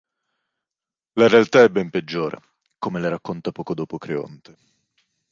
La realtà è ben peggiore, come le racconta poco dopo Creonte.